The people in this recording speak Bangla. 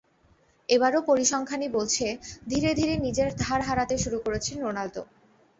এবারও পরিসংখ্যানই বলছে, ধীরে ধীরে নিজের ধার হারাতে শুরু করেছেন রোনালদো।